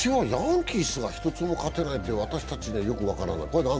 ヤンキースが１つも勝てないというのが私たちにはよく分からない。